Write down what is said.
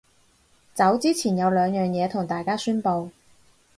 走之前有兩樣嘢同大家宣佈